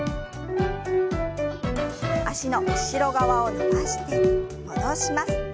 脚の後ろ側を伸ばして戻します。